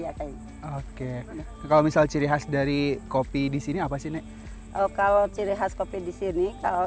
ya kayak oke kalau misal ciri khas dari kopi di sini apa sih kalau ciri khas kopi di sini kalau